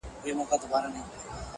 کارخانې پکښی بنا د علم و فن شي؛